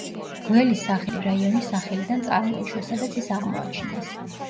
გველის სახელი რაიონის სახელიდან წარმოიშვა, სადაც ის აღმოაჩინეს.